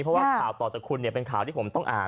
เพราะว่าข่าวต่อจากคุณเป็นข่าวที่ผมต้องอ่าน